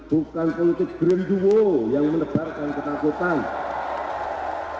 bukan politik greenduo yang menebarkan ketakutan